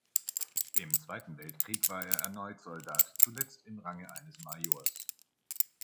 Im Zweiten Weltkrieg war er erneut Soldat, zuletzt im Range eines Majors.